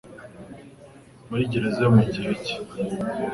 Muri gereza yo mu gihe cye